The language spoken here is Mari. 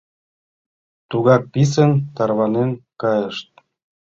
Тугак писын тарванен кайышт.